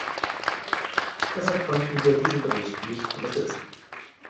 Deshalb konnten wir diesen Bericht nicht unterstützen.